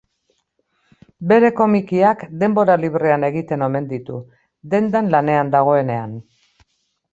Bere komikiak denbora librean egiten omen ditu, dendan lanean dagoenean.